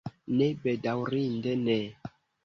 Ne, bedaŭrinde ne.